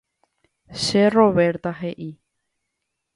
Che Roberta, he'i